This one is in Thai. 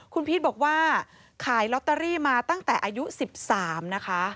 คุณพีชบอกว่าขายลอตเตอรี่มาตั้งแต่อายุ๑๓นะคะ